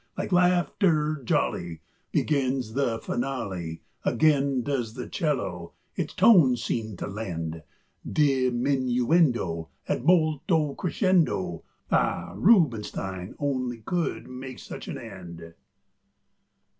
Like laughter jolly Begins the finale; Again does the 'cello its tones seem to lend Diminuendo ad molto crescendo. Ah! Rubinstein only could make such an end!